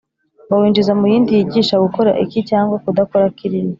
bawinjiza mu yindi yigisha gukora iki cyangwa kudakora kiriya.